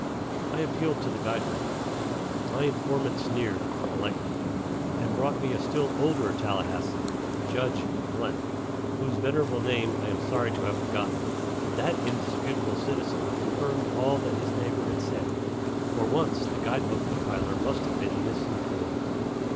I appealed to the guide book. My informant sneered, politely, and brought me a still older Tallahassean, Judge , whose venerable name I am sorry to have forgotten, and that indisputable citizen confirmed all that his neighbor had said. For once, the guide book compiler must have been misinformed.